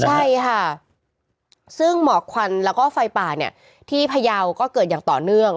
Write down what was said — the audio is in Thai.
ใช่ค่ะซึ่งหมอกควันแล้วก็ไฟป่าเนี่ยที่พยาวก็เกิดอย่างต่อเนื่อง